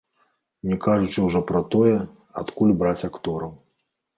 Не кажучы ўжо пра тое, адкуль браць актораў.